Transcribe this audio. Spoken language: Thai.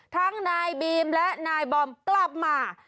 ทั้งนายบีมและนายบอมกลับมา